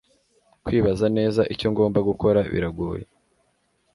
kwibaza neza icyo ngomba gukora biragoye